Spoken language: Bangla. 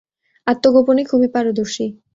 আত্মগোপনে খুবই পারদর্শী।